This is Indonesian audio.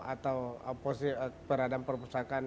atau peradaban perusahaan